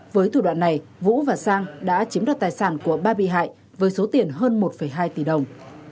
với thủ đoạn này vũ và sang đã chiếm đoạt tài sản của ba bị hại với số tiền hơn một hai tỷ đồng